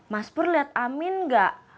mas pur liat amin gak